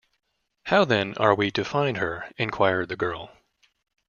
How, then, are we to find her? enquired the girl.